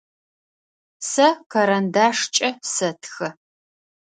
Сэ карандашкӏэ сэтхэ.